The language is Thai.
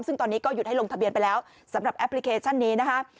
ซึ่งตอนนี้ก็หยุดให้ลงทะเบียนไปแล้วสำหรับแอปพลิเคชันนี้นะคะ